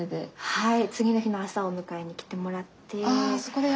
はい。